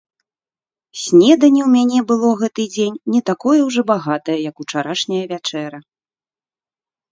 Снеданне ў мяне было гэты дзень не такое ўжо багатае, як учарашняя вячэра.